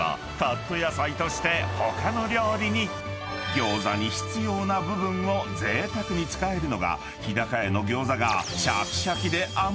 ［餃子に必要な部分をぜいたくに使えるのが日高屋の餃子が］